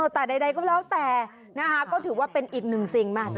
แต่ใดก็แล้วแต่ก็ถือว่าเป็นอิตหนึ่งสิ่งมาก